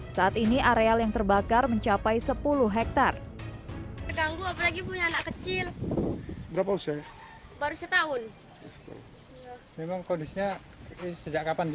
saat ini areal yang terbakar mencapai sepuluh hektare